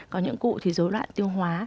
có những cụ thì dối loạn tiêu hóa